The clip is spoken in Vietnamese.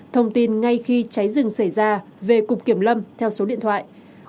thông tin ngay khi cháy rừng xảy ra về cục kiểm lâm theo số điện thoại